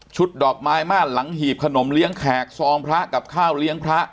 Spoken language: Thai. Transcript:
ดอกไม้ม่านหลังหีบขนมเลี้ยงแขกซองพระกับข้าวเลี้ยงพระ